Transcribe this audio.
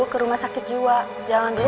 ke rumah sakit jiwa jangan dulu